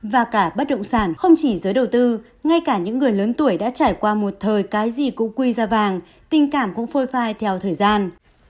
và cả bất động sản không chỉ giới đầu tư ngay cả những người lớn tuổi đã trải qua một thời cái gì cũng quy ra vàng tình cảm cũng phôi phai theo thời gian